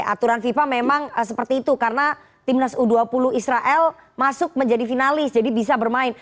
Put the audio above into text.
aturan fifa memang seperti itu karena timnas u dua puluh israel masuk menjadi finalis jadi bisa bermain